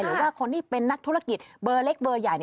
หรือว่าคนที่เป็นนักธุรกิจเบอร์เล็กเบอร์ใหญ่